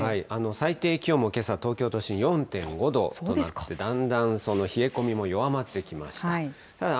最低気温もけさ、東京都心、４．５度となって、だんだん冷え込みも弱まってきました。